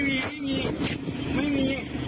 บุหนิ